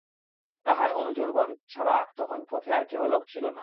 তাঁহার অনুচরগণ ছাড়া তখন পথে আর কেহ লোক ছিল না।